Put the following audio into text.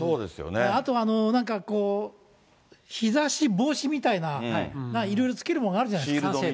あと、なんかこう、日ざし防止みたいな、いろいろつけるものがあるじゃないですか。